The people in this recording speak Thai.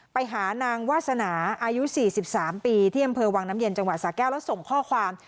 ไปหานางวาสนาอายุ๔๓ปีที่อำเภอวังน้ำเย็นจังหวัดสาแก้วแล้วส่งข้อความ